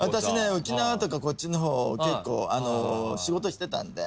沖縄とかこっちの方結構仕事してたんで。